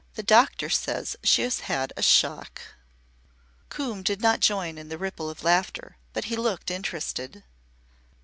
The doctor says she has had a shock." Coombe did not join in the ripple of laughter, but he looked interested.